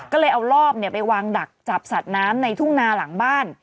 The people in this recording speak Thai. ก็เลยเอารอบไปวางดักจับสัตว์น้ำในทุ่งนาหลังบ้าน